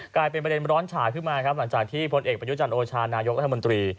กลายเป็นประเด็นร้อนฉายขึ้นมาครับหลังจากที่พลเอกประยุจันทร์โอชานายกรัฐมนตรี